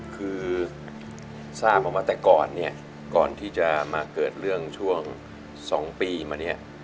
คือทราบออกมาแต่ก่อนเนี่ยก่อนที่จะมาเกิดเรื่องช่วง๒ปีมาเนี่ย